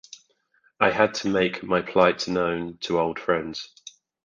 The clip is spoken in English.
I had to make my plight known to old friends.